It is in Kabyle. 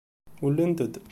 Ullent-d.